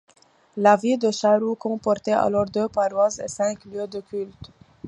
La ville de Charroux comportait alors deux paroisses et cinq lieux de culte.